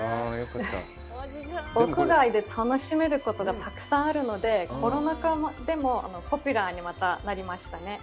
屋外で楽しめることがたくさんあるので、コロナ禍でもポピュラーにまたなりましたね。